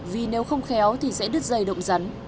vì nếu không khéo thì sẽ đứt dây động rắn